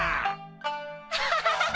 アハハハハ！